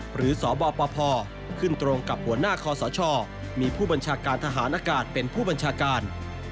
สบปพขึ้นตรงกับหัวหน้าคอสชมีผู้บัญชาการทหารอากาศเป็นผู้บัญชาการ